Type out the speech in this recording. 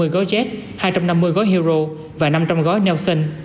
hai trăm năm mươi gói jet hai trăm năm mươi gói hero và năm trăm linh gói nelson